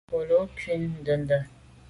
Nkelô ku’ ndende.